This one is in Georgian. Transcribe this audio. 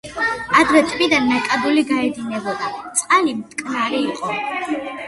ადრე ტბიდან ნაკადული გაედინებოდა, წყალი მტკნარი იყო.